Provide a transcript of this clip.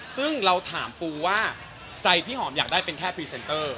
ซึ่งเราถามปูว่าใจพี่หอมอยากได้เป็นแค่พรีเซนเตอร์